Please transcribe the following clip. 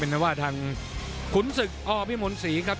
เป็นว่าทางขุนศึกอพิมลศรีครับ